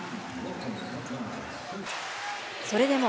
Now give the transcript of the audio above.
それでも。